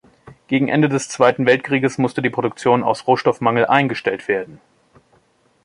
Gegen Ende des Zweiten Weltkrieges musste die Produktion aus Rohstoffmangel eingestellt werden.